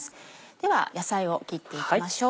では野菜を切っていきましょう。